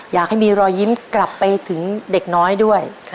อยากให้มีรอยยิ้มกลับไปถึงเด็กน้อยด้วย